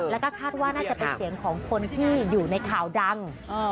แล้วก็คาดว่าน่าจะเป็นเสียงของคนที่อยู่ในข่าวดัง